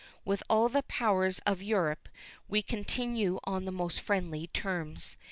With all the powers of Europe we continue on the most friendly terms.